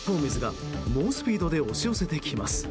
土砂を含む鉄砲水が猛スピードで押し寄せてきます。